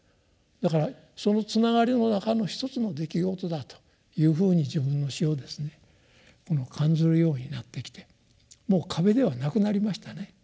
だからそのつながりの中の一つの出来事だというふうに自分の「死」をですねこの感ずるようになってきてもう壁ではなくなりましたね。